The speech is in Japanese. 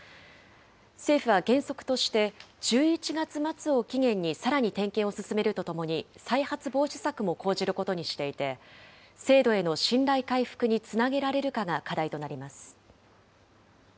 政府は原則として、１１月末を期限に、さらに点検を進めるとともに、再発防止策も講じることにしていて、精度への信頼回復につなげられるかが課題となります。